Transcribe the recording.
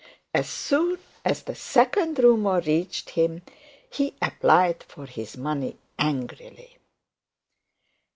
As soon as the second rumour reached him, he applied for his money angrily.